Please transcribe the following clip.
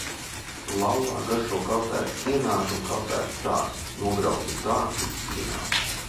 Lallā garšo kaltēti sienāži un kaltēti tārpi, nograuza i tārpu, i sienāzi.